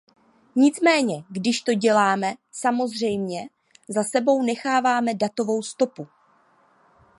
Nicméně když to děláme, samozřejmě za sebou necháváme datovou stopu.